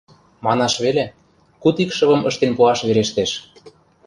Манаш веле, куд икшывым ыштен пуаш верештеш.